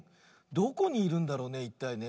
どこにいるんだろうねいったいね。